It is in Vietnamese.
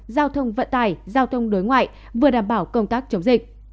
giao thông vận tải giao thông đối ngoại vừa đảm bảo công tác chống dịch